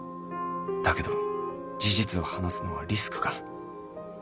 だけど事実を話すのはリスクが